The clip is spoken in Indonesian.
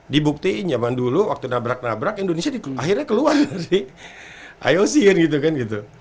dibuktiin zaman dulu waktu nabrak nabrak indonesia akhirnya keluar dari ioc kan